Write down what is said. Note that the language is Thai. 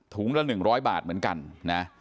ละ๑๐๐บาทเหมือนกันนะ